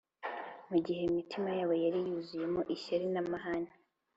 mu gihe imitima yabo yari yuzuyemo ishyari n’amahane